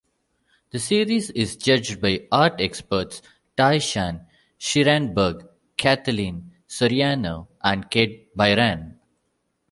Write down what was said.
The series is judged by art experts Tai-Shan Schierenberg, Kathleen Soriano and Kate Bryan.